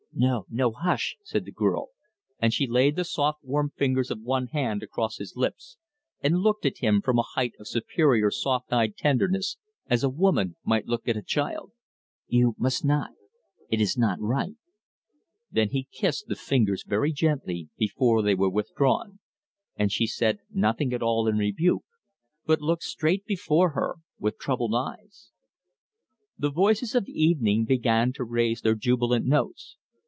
"No, no, hush!" said the girl, and she laid the soft, warm fingers of one hand across his lips, and looked at him from a height of superior soft eyed tenderness as a woman might look at a child. "You must not. It is not right." Then he kissed the fingers very gently before they were withdrawn, and she said nothing at all in rebuke, but looked straight before her with troubled eyes. The voices of evening began to raise their jubilant notes.